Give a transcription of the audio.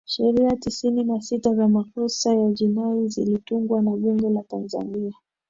sheria tisini na sita za makosa ya jinai zilitungwa na bunge la tanzania